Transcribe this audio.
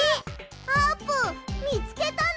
あーぷんみつけたの？